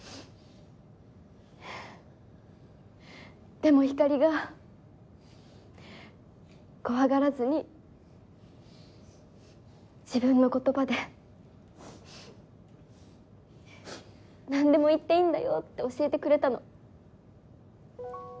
でもひかりが「怖がらずに自分の言葉で何でも言っていいんだよ」って教えてくれたの。